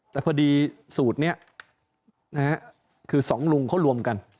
แต่พอดีสูตรนี้คือสองลุงเขารวมกัน